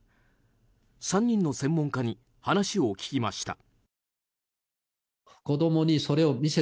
３人の専門家に話を聞きました。